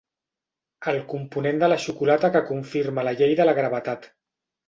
El component de la xocolata que confirma la llei de la gravetat.